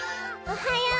おはよう！